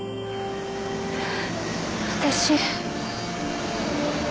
私。